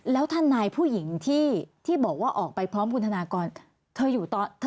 แล้วทนายผู้หญิงที่บอกว่าออกไปพร้อมคุณธนากรเธออยู่ตอน